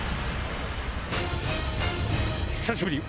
久しぶり！